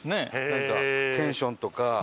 なんかテンションとか。